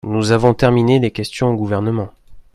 Nous avons terminé les questions au Gouvernement.